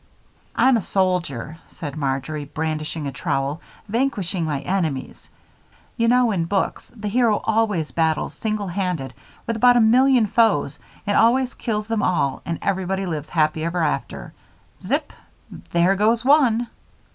"I'm a soldier," said Marjory, brandishing a trowel, "vanquishing my enemies. You know in books the hero always battles single handed with about a million foes and always kills them all and everybody lives happy ever after zip! There goes one!"